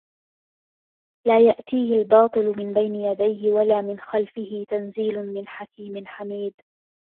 لا يَأتيهِ الباطِلُ مِن بَينِ يَدَيهِ وَلا مِن خَلفِهِ تَنزيلٌ مِن حَكيمٍ حَميدٍ